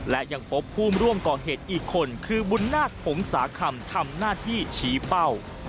และยังพบผู้ร่วมก่อเหตุอีกคนคือบุญนาคหงษาคำทำหน้าที่ชี้เป้า